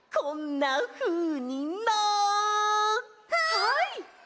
はい！